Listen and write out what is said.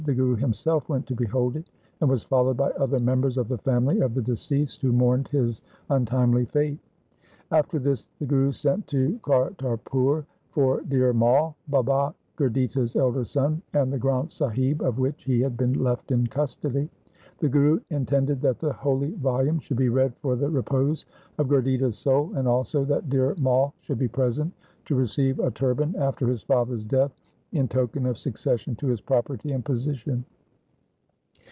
The Guru himself went to behold it, and was followed by other members of the family of the deceased, who mourned his untimely fate. After this the Guru sent to Kartarpur for Dhir Mai, Baba Gurditta's elder son, and the Granth Sahib of which he had been left in custody. The Guru in tended that the holy volume should be read for the repose of Gurditta's soul, and also that Dhir Mai should be present to receive a turban after his father's death in token of succession to his property and position.